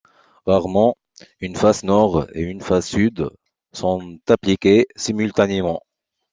Rarement, une face nord et une face sud sont appliquées simultanément.